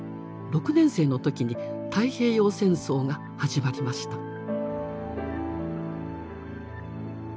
６年生の時に太平洋戦争が始まりました。